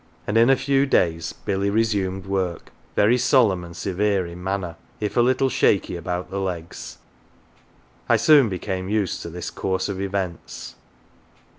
And in a few days Billy resumed work, very solemn and severe in manner, 1^ a little shaky about the legs. I soon became used to this course of events.